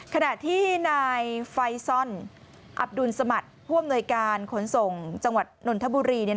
ขณะที่นายไฟซ่อนอับดุลสมัติผู้อำนวยการขนส่งจังหวัดนนทบุรี